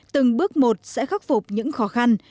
từng bước một sẽ khắc phục những khó khăn